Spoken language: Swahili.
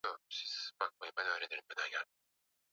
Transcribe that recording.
aa kuzungumzia suala hili la nidhamu za wachezaji